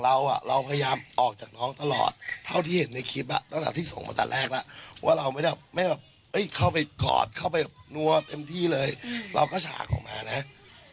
แล้วหลังจากนั้นหลังจากที่ไม่มีคลิปแน่ใจนะว่าไม่ได้ทำอะไรของ